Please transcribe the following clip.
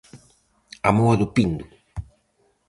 A Moa do Pindo.